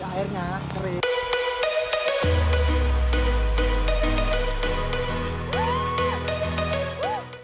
jadi airnya kering